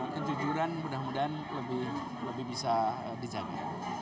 kejujuran mudah mudahan lebih bisa dijaga